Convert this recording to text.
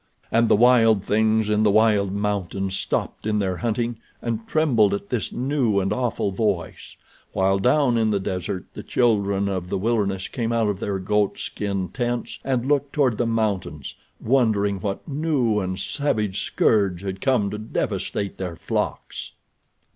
And the wild things in the wild mountains stopped in their hunting, and trembled at this new and awful voice, while down in the desert the children of the wilderness came out of their goatskin tents and looked toward the mountains, wondering what new and savage scourge had come to devastate their flocks.